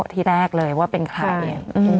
ที่แรกเลยว่าเป็นใคร